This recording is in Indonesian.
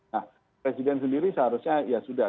nah presiden sendiri seharusnya ya sudah